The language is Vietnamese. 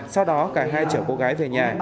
sau đó cả hai chở cô gái về nhà